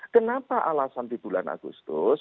kenapa alasan di bulan agustus